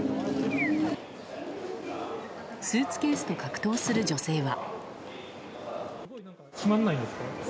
スーツケースと格闘する女性は。